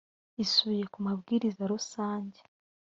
isubiye ku mabwiriza rusange